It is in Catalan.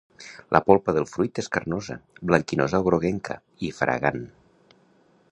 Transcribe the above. La polpa del fruit és carnosa, blanquinosa o groguenca, i fragant.